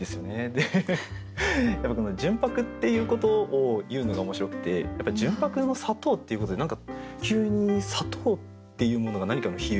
でやっぱりこの「純白」っていうことを言うのが面白くてやっぱり「純白の砂糖」っていうことで何か急に「砂糖」っていうものが何かの比喩